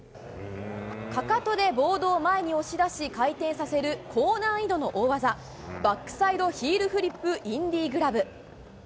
かかとでボードを前に押し出し、回転させる高難易度の大技、バックサイドヒールフリップインディーグラブ。